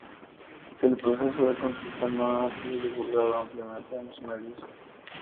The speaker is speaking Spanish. El proceso de consulta no ha sido divulgado ampliamente en los medios.